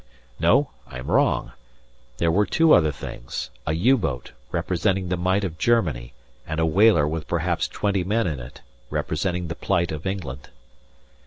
No! I am wrong, there were two other things: a U boat, representing the might of Germany, and a whaler with perhaps twenty men in it, representing the plight of England!